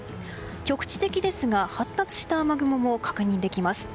局地的ですが発達した雨雲も確認できます。